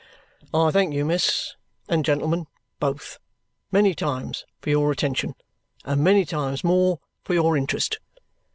"I thank you, miss and gentlemen both, many times for your attention, and many times more for your interest.